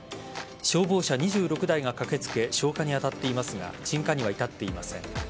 消防車２６台が駆けつけ消火に当たっていますが鎮火には至っていません。